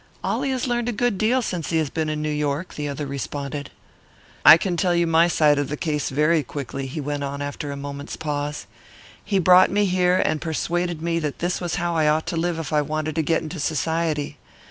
"Ollie has learned a good deal since he has been in New York," the other responded. "I can tell you my side of the case very quickly," he went on after a moment's pause. "He brought me here, and persuaded me that this was how I ought to live if I wanted to get into Society.